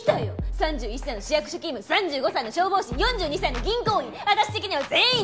３１歳の市役所勤務３５歳の消防士４２歳の銀行員私的には全員なし！